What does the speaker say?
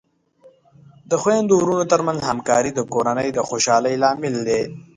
د خویندو ورونو ترمنځ همکاري د کورنۍ د خوشحالۍ لامل دی.